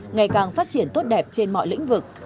ngày càng phát triển tốt đẹp trên mọi lĩnh vực